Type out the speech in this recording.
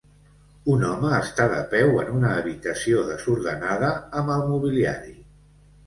Un home està de peu en una habitació desordenada amb el mobiliari.